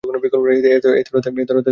এত রাতে এখানে কেন?